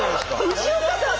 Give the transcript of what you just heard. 藤岡さん